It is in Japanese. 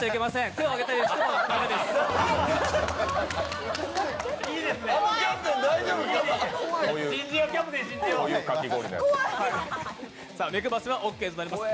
手を挙げたりしては駄目です。